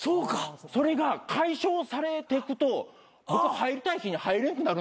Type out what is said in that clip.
それが解消されてくと僕入りたい日に入れんくなるんですよ。